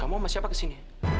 kamu sama siapa kesini